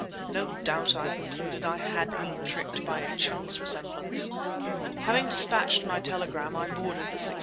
No doubt, I concluded, I had been tricked by a chance resemblance. Having dispatched my telegram, I boarded the 6:55.